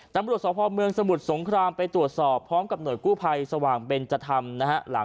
ตำรวจสภเมืองสมุทรสงครามไปตรวจสอบพร้อมกับหน่วยกู้ภัยสว่างเบนจธรรมนะฮะ